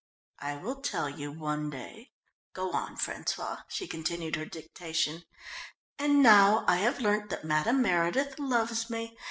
"I will tell you one day go on. François," she continued her dictation. "'_And now I have learnt that Madame Meredith loves me.